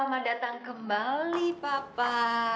selamat datang kembali papa